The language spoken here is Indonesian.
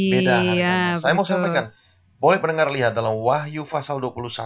saya mau sampaikan boleh pendengar lihat dalam wahyu fasal dua puluh satu